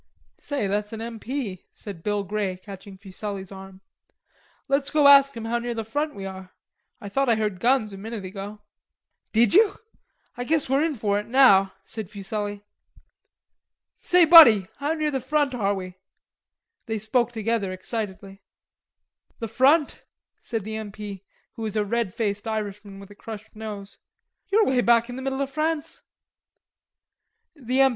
"Say, that's an M. P.," said Bill Grey, catching Fuselli's arm. "Let's go ask him how near the front we are. I thought I heard guns a minute ago." "Did you? I guess we're in for it now," said Fuselli. "Say, buddy, how near the front are we?" they spoke together excitedly. "The front?" said the M. P., who was a red faced Irishman with a crushed nose. "You're 'way back in the middle of France." The M.